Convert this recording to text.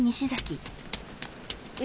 え？